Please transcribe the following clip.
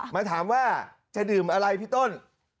มาถามว่าจะดื่มอะไรพี่ต้น